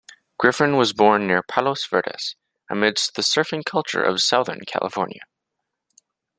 Griffin was born near Palos Verdes amidst the surfing culture of southern California.